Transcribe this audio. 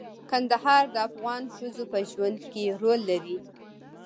کندهار د افغان ښځو په ژوند کې رول لري.